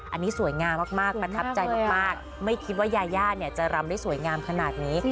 อันนี้สวยงามมากประทับใจมากไม่คิดว่ายาย่าเนี่ยจะรำได้สวยงามขนาดนี้